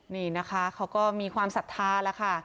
นี้นะครับเขามีความศรัทธาละค่ะ